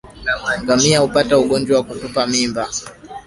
Ngamia hupata ugonjwa wa kutupa mimba